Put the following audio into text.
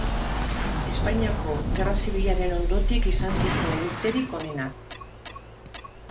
Espainiako Gerra Zibilaren ondotik izan zituen urterik onenak.